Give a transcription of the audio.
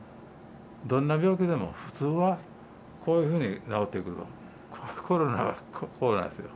どんな病気でも、普通はこういうふうに治っていくけど、コロナはこうなんですよ。